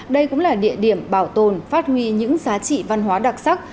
đây cũng là địa điểm bảo tồn phát huy những giá trị văn hóa đặc sắc